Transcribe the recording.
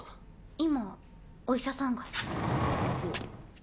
今お医者さんが。